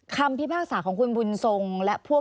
พิพากษาของคุณบุญทรงและพวก